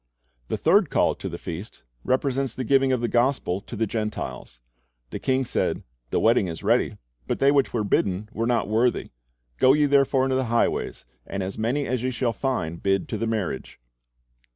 The third call to the feast represents the giving of the gospel to the Gentiles. The king said, "The wedding is ready, but they which were bidden were not worthy. Go ye therefore into the highways, and as many as ye shall find, bid to the marriage."